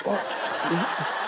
えっ？